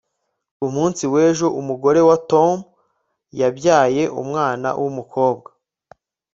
ku munsi w'ejo, umugore wa tom yabyaye umwana w'umukobwa